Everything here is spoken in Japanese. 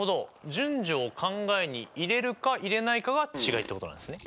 順序を考えに入れるか入れないかが違いってことなんですね。